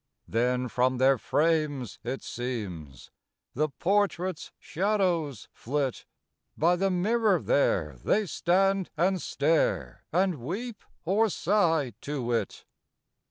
Then from their frames, it seems, The portraits' shadows flit; By the mirror there they stand and stare And weep or sigh to it.